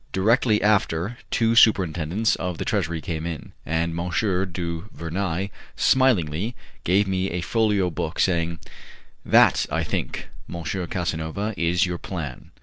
Directly after, two superintendents of the treasury came in, and M. du Vernai smilingly gave me a folio book, saying, "That, I think, M. Casanova, is your plan."